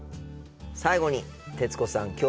最後に徹子さん